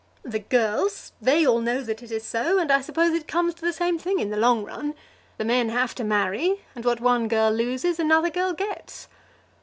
"The girls, they all know that it is so, and I suppose it comes to the same thing in the long run. The men have to marry, and what one girl loses another girl gets."